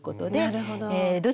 なるほど。